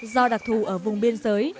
do đặc thù ở vùng biên giới